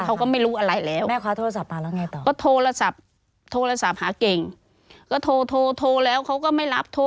เขาก็ไม่รู้อะไรแล้วคุณแม่คว้าโทรศัพท์มาแล้วไงต่อ